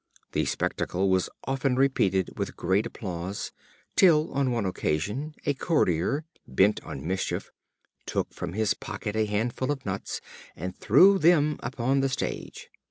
The spectacle was often repeated with great applause, till on one occasion a courtier, bent on mischief, took from his pocket a handful of nuts, and threw them upon the stage.